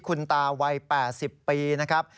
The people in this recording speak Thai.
คุณตาวัย๘๐ปีนะครับ